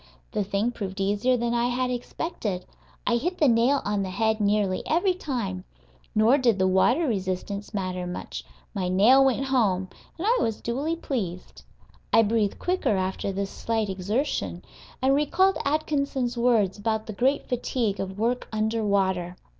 The thing proved easier than I had expected. I hit the nail on the head nearly every time. Nor did the water resistance matter much; my nail went home, and I was duly pleased. I breathed quicker, after this slight exertion, and recalled Atkinson's words about the great fatigue of work under water.